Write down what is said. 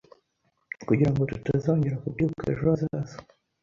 Kugira ngo tutazongera kubyuka ejo hazaza